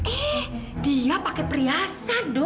eh dia pake periasan do